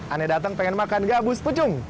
anda datang pengen makan gabus pucung